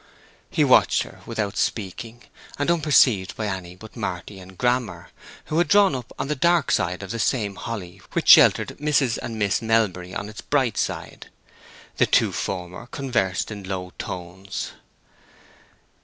He watched her without speaking, and unperceived by any but Marty and Grammer, who had drawn up on the dark side of the same holly which sheltered Mrs. and Miss Melbury on its bright side. The two former conversed in low tones.